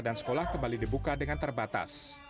dan sekolah kembali dibuka dengan terbatas